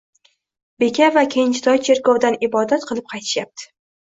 Beka va kenjatoy cherkovdan ibodat qilib qaytishyapti